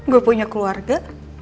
gue punya keluarga